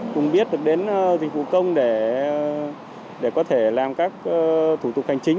cùng biết được đến dịch vụ công để có thể làm các thủ tục hành chính